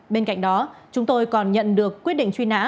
bên cạnh đó chúng tôi còn nhận được quyết định truy nã